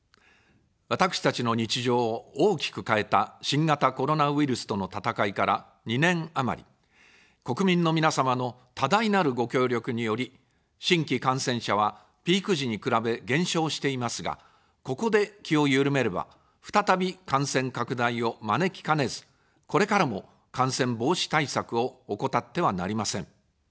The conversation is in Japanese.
私たちの日常を大きく変えた新型コロナウイルスとの闘いから２年余り、国民の皆様の多大なるご協力により、新規感染者はピーク時に比べ減少していますが、ここで気を緩めれば、再び感染拡大を招きかねず、これからも感染防止対策を怠ってはなりません。